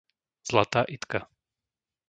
Zlatá Idka